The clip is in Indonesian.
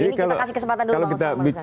ini kita kasih kesempatan dulu bang usman